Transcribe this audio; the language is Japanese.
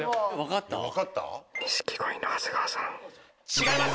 違います！